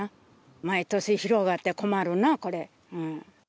毎年広がって困るな、これ。